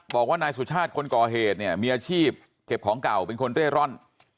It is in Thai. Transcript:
บอกว่านายสุชาติคนก่อเหตุเนี่ยมีอาชีพเก็บของเก่าเป็นคนเร่ร่อน